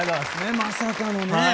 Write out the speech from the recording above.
まさかのね。